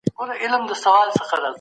فردي ملکیت باید د ټولني په زیان نه وي.